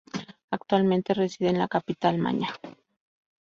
Actualmente reside en la capital maña.